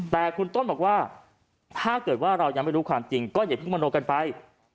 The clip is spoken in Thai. แต่คุณต้นบอกว่าถ้าเกิดว่าเรายังไม่รู้ความจริงก็อย่าเพิ่งมโนกันไป